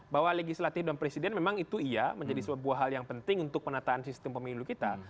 bahwa legislatif dan presiden memang itu iya menjadi sebuah hal yang penting untuk penataan sistem pemilu kita